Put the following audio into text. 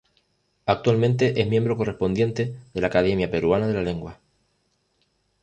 Actualmente es miembro correspondiente de la Academia Peruana de la Lengua.